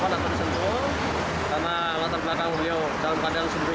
karena latar belakang beliau dalam pandang sentuh